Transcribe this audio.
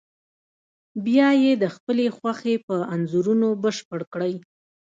بیا یې د خپلې خوښې په انځورونو بشپړ کړئ.